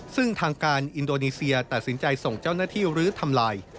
ซึ่งทางการอินโดนีเซียตัดสินใจส่งเจ้าหน้าที่ลื้อทำลาย